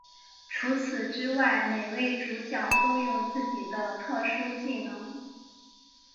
除此之外每位主角都有自己的特殊技能。